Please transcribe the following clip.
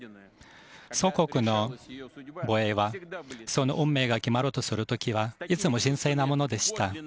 祖国の防衛はその運命が決まろうとする時はいつも神聖なものでした。